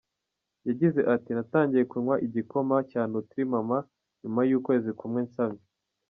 Yagize ati “Natangiye kunywa igikoma cya ‘Nootri Mama’ nyuma y’ukwezi kumwe nsamye.